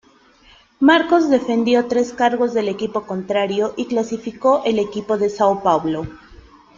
Marcos defendió tres cargos del equipo contrario y clasificó el equipo de Sao Paulo.